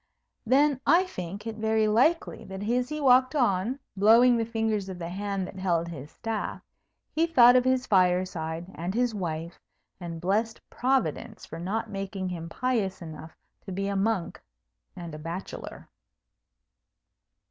Then I think it very likely that as he walked on, blowing the fingers of the hand that held his staff, he thought of his fireside and his wife, and blessed Providence for not making him pious enough to be a monk and a bachelor.